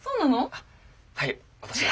あっはい私が。